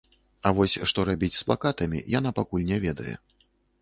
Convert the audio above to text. А вось што рабіць з плакатамі, яна пакуль не ведае.